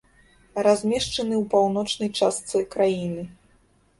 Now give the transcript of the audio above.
Размешчаны ў паўночнай частцы краіны.